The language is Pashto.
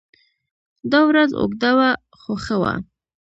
دا ورځ اوږده وه خو ښه وه.